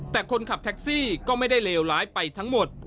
แต่คนขับแท็กซี่ก็ไม่ได้เลวร้ายไปทั้งหมด